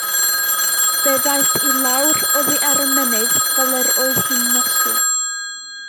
Fe ddaeth i lawr oddi ar y mynydd fel yr oedd hi'n nosi.